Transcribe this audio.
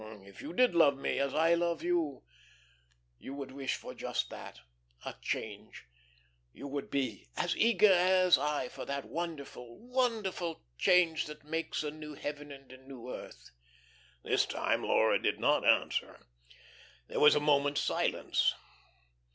If you did love me as I love you, you would wish for just that a change. You would be as eager as I for that wonderful, wonderful change that makes a new heaven and a new earth." This time Laura did not answer. There was a moment's silence.